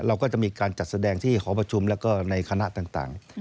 เราก็จะมีการจัดแสดงที่หอประชุมแล้วก็ในคณะต่าง